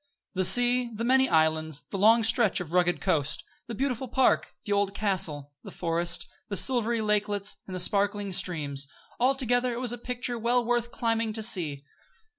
The sea; the many islands; the long stretch of rugged coast; the beautiful park; the old castle; the forest; the silvery lakelets, and the sparkling streams altogether, it was a picture well worth climbing to see.